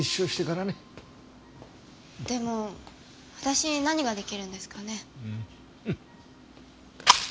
でも私に何が出来るんですかね。